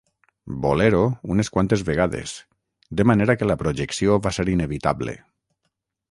"bolero" unes quantes vegades, de manera que la projecció va ser inevitable.